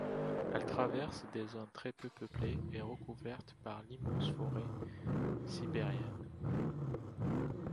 Elle traverse des zones très peu peuplées et recouverte par l'immense forêt sibérienne.